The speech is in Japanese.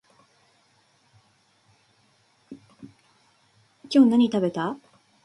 今日何食べた？